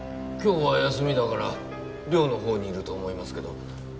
今日は休みだから寮の方にいると思いますけど。